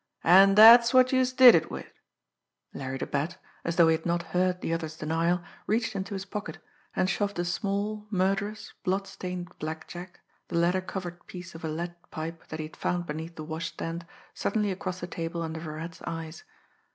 "An' dat's what youse did it wid." Larry the Bat, as though he had not heard the other's denial, reached into his pocket, and shoved a small, murderous, bloodstained blackjack, the leather covered piece of lead pipe that he had found beneath the washstand, suddenly across the table under Virat's eyes.